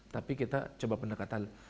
tapi kita coba pendekatan